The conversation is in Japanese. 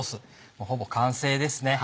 もうほぼ完成ですね。